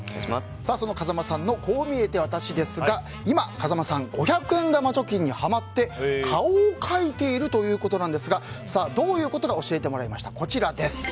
その風間さんのこう見えてワタシですが今、風間さん五百円玉貯金にハマって顔を描いているということなんですがどういうことか教えてもらいました、こちら。